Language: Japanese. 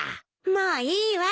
もういいわ。